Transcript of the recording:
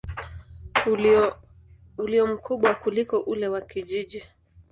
ulio mkubwa kuliko ule wa kijiji.